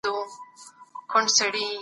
هغه انسان په ټولني کي خپل عزت ساتي.